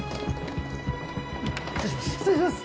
失礼します。